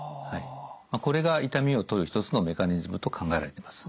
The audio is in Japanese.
これが痛みを取る一つのメカニズムと考えられています。